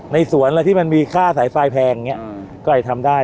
ในสวนอะไรที่มันมีค่าสายไฟแพงอย่างนี้ก็อาจจะทำได้